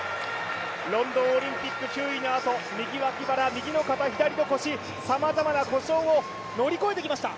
ロンドンオリンピック９位のあと、右脇腹、左の腰、さまざまな故障を乗り越えてきました。